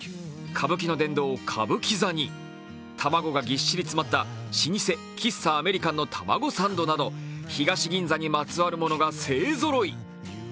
歌舞伎の殿堂、歌舞伎座に卵がぎっしり詰まった、老舗喫茶アメリカンのタマゴサンドなど東銀座にまつわるものが勢ぞろい。